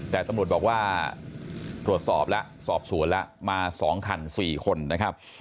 แต่ตำรวจบอกว่าตรวจสอบแล้วสอบสวนแล้วมา๒คัน๔คนนะครับ